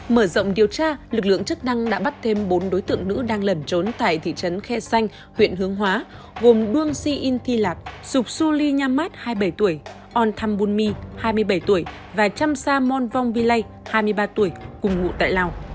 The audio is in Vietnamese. mở rộng điều tra lực lượng chức năng đã bắt thêm bốn đối tượng nữ đang lẩn trốn tại thị trấn khe sanh huyện hương hóa gồm đương si in thi lạp sục su ly nha mát hai mươi bảy tuổi on tham bun mi hai mươi bảy tuổi và trăm sa mon vong vy lây hai mươi ba tuổi cùng ngụ tại lào